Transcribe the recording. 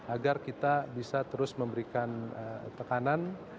agar kita bisa terus memberikan tekanan